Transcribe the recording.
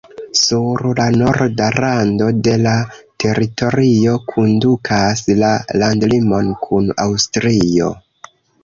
Sur la norda rando de la teritorio kondukas la landlimon kun Aŭstrio.